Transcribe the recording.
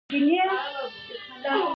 ایا زه شوروا وخورم؟